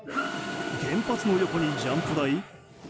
原発の横にジャンプ台？